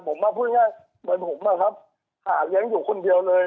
ผม๊บพูดง่ายแบบผมอ่ะครับหาเหร้งอยู่คนเดียวเลย